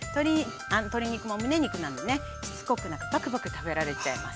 鶏肉もむね肉なんでねしつこくなくパクパク食べられちゃいます。